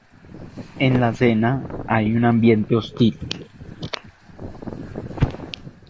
En la cena, hay un ambiente hostil.